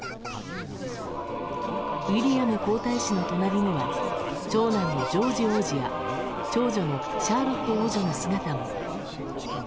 ウィリアム皇太子の隣には長男のジョージ王子や長女のシャーロット王女の姿も。